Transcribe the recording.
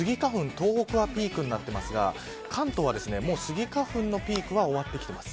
東北はピークになってますが関東はスギ花粉のピークは終わってきています。